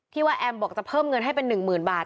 ที่ว่าแอมบอกจะเพิ่มเงินให้เป็นหนึ่งหมื่นบาท